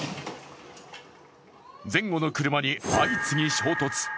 前後の車に相次ぎ衝突。